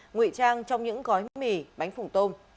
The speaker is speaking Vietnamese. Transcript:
ngụy trang trong những gói mì bánh phủng tôm